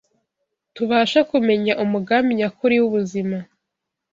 tubashe kumenya umugambi nyakuri w’ubuzima